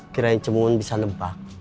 kirain cemun bisa nembak